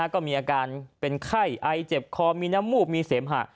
ก็มีอาการเป็นไข้ไอเจ็บคอมีน้ำมูกมีเสมหะ